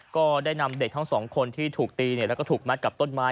ก็ได้นำเด็กทั้งสองคนที่ถูกตีแล้วก็ถูกมัดกับต้นไม้